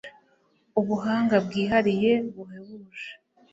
ubuhanga bwihariye buhebuje